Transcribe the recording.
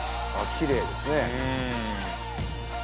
きれいですね